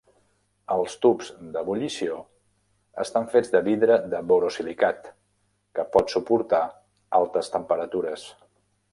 Els tubs d'ebullició estan fets de vidre de borosilicat, que pot suportar altes temperatures.